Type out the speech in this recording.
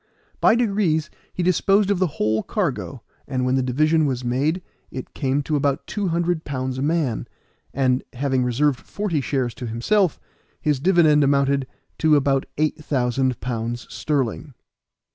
By degrees he disposed of the whole cargo, and when the division was made it came to about two hundred pounds a man, and, having reserved forty shares to himself, his dividend amounted to about eight thousand pounds sterling.